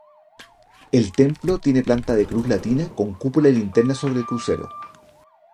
El templo tiene planta de cruz latina con cúpula y linterna sobre el crucero.